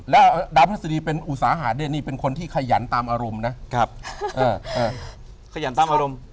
ดาพรสดีเป็นอุตสาหะเดชน์เป็นคนที่ขยันตามอารมณ์นะ